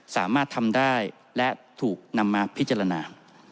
สามารถทำได้และถูกนำมาพิจารณา